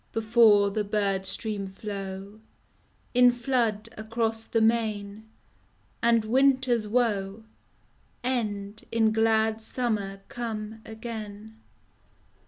Before the bird stream flow In flood across the main And winter's woe End in glad summer come again.